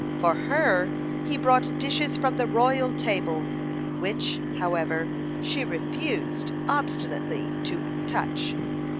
For her he brought dishes from the royal table, which, however, she refused obstinately to ouch.